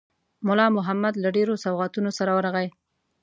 مُلا محمد له ډېرو سوغاتونو سره ورغی.